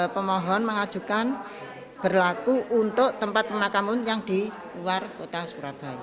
pemohon mengajukan berlaku untuk tempat pemakaman yang di luar kota surabaya